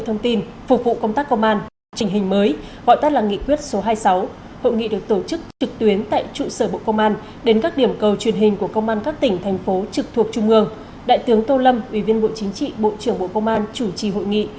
thứ trưởng tô lâm ủy viên bộ chính trị bộ trưởng bộ công an chủ trì hội nghị